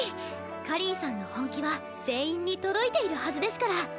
果林さんの本気は全員に届いているはずですから。